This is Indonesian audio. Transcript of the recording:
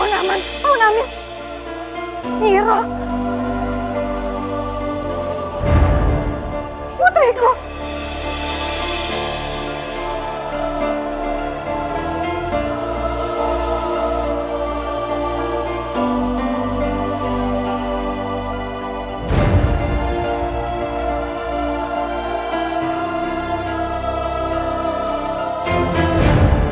jangan lagi membuat onar di sini